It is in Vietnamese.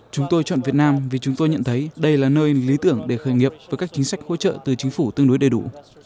chúng tôi chọn việt nam vì chúng tôi nhận thấy đây là nơi lý tưởng để khởi nghiệp với các chính sách hỗ trợ từ chính phủ tương đối đầy đủ